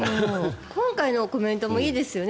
今回のコメントもいいですよね。